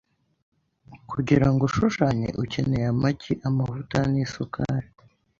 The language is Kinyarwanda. Kugira ngo ushushanye, ukeneye amagi, amavuta nisukari .